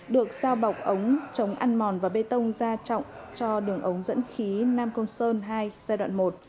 được giao bọc ống trống ăn mòn và bê tông ra trọng cho đường ống dẫn khí nam côn sơn hai giai đoạn một